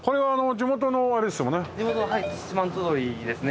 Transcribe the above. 地元の鶏ですね。